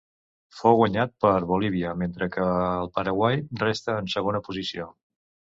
Fou guanyat per Bolívia, mentre que el Paraguai restà en segona posició.